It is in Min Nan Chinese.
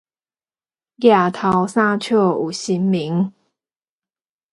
攑頭三尺有神明